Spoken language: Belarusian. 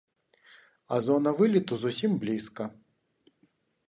А зона вылету зусім блізка.